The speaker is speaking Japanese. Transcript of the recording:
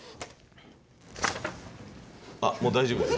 あもう大丈夫です。